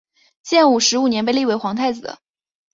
建武十五年被立为皇太子。